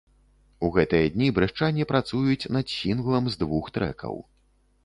У гэтыя дні брэстчане працуюць над сінглам з двух трэкаў.